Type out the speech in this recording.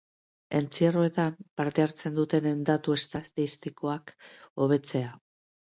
Entzierroetan parte hartzen dutenen datu estatistikoak hobetzea.